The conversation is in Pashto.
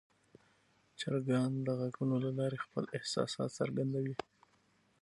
چرګان د غږونو له لارې خپل احساسات څرګندوي.